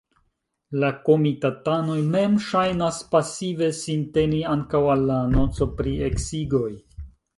La komitatanoj mem ŝajnas pasive sinteni ankaŭ al la anonco pri eksigoj.